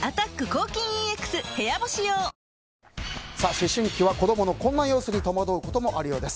思春期は子供のこんな様子に戸惑うこともあるようです。